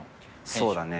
そうだね。